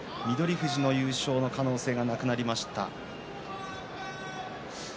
富士の優勝の可能性はなくなりました。